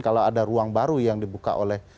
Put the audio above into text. kalau ada ruang baru yang dibuka oleh